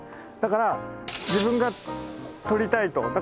だから自分が撮りたいと。